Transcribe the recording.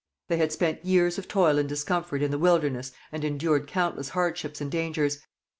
They had spent years of toil and discomfort in the wilderness and endured countless hardships and dangers.